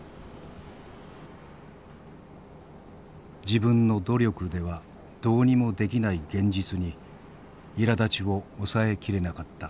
自分の努力ではどうにもできない現実にいらだちを抑え切れなかった。